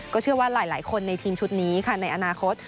เชื่อว่าหลายคนในทีมชุดนี้ค่ะในอนาคต